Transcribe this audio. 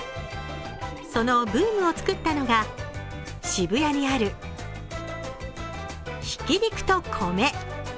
そのブームを作ったのが渋谷にある挽肉と米。